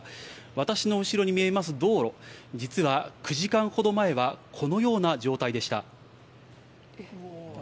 私の後ろに見えます道路、実は９時間ほど前はこのような状態でした。